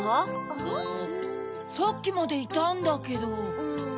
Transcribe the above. さっきまでいたんだけど。